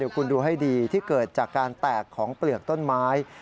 คุณดูให้ดีที่เกิดจากการแตกของเปลือกต้นไม้